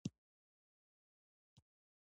وخت له سرو زرو ګران دی .